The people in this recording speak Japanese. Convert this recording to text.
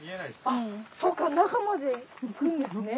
そうか中まで行くんですね。